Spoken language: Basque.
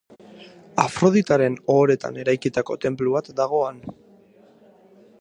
Afroditaren ohoretan eraikitako tenplu bat dago han.